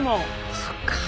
そっか。